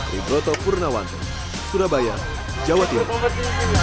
ribroto purnawanto surabaya jawa timur